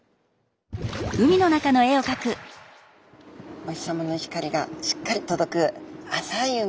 お日さまの光がしっかり届く浅い海。